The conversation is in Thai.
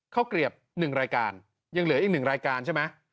เขาเกรียบหนึ่งรายการยังเหลืออีกหนึ่งรายการใช่ไหม